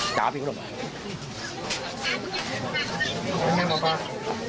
ใช่เอาให้กินล่ะกินเอง